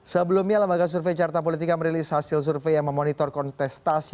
sebelumnya lembaga survei carta politika merilis hasil survei yang memonitor kontestasi